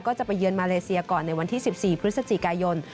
ก็จะไปเยือนมาเลเซียก่อนในวันที่๑๔พฤศจิกายน